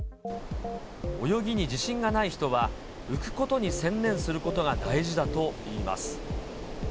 泳ぎに自信がない人は、浮くことに専念することが大事だといいます。